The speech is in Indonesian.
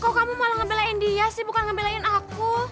kok kamu malah ngebelain dia sih bukan ngebelain aku